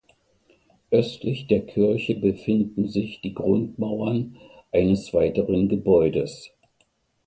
Östlich der Kirche befinden sich die Grundmauern eines weiteren Gebäudes.